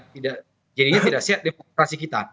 tidak jadinya tidak sehat demokrasi kita